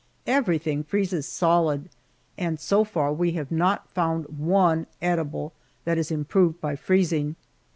Everything freezes solid, and so far we have not found one edible that is improved by freezing.